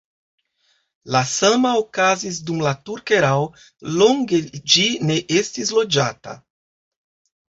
La sama okazis dum la turka erao, longe ĝi ne estis loĝata.